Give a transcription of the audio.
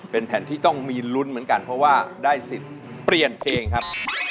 เป็นแผ่นที่ต้องมีลุ้นเหมือนกันเพราะว่าได้สิทธิ์เปลี่ยนเพลงครับ